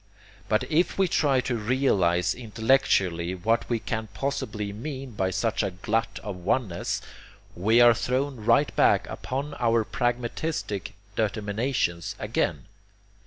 But if we try to realize INTELLECTUALLY what we can possibly MEAN by such a glut of oneness we are thrown right back upon our pragmatistic determinations again.